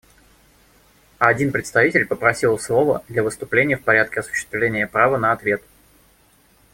Один представитель попросил слова для выступления в порядке осуществления права на ответ.